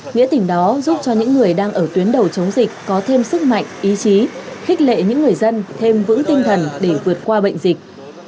nghĩa tình đó giúp cho những người đang ở tuyến đầu chống dịch có thêm sức mạnh ý chí khích lệ những người dân thêm vững tinh thần để vượt qua bệnh dịch